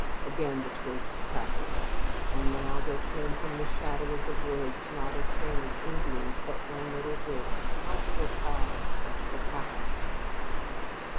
Again the twigs crackled, and now there came from the shadow of the woods not a train of Indians, but one little girl Ma ta oka, or Pocahontas.